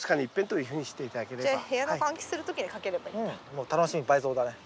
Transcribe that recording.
もう楽しみ倍増だね。